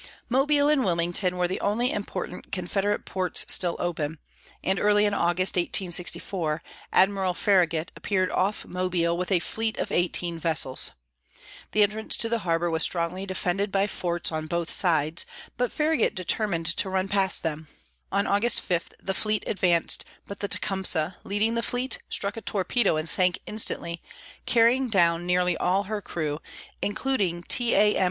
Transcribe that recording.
Mobile and Wilmington were the only important Confederate ports still open, and early in August, 1864, Admiral Farragut appeared off Mobile with a fleet of eighteen vessels. The entrance to the harbor was strongly defended by forts on both sides, but Farragut determined to run past them. On August 5 the fleet advanced, but the Tecumseh, leading the fleet, struck a torpedo and sank instantly, carrying down nearly all her crew, including T. A. M.